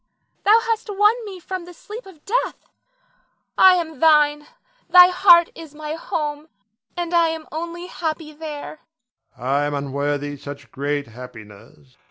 Thou hast won me from the sleep of death, I am thine, thy heart is my home, and I am only happy there. Adrian. I am unworthy such great happiness.